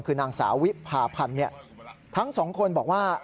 คือนางสาววิพาพันธ์ทั้งสองคนบอกว่า